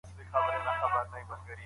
زه غواړم چي زما زوی بېدېدی.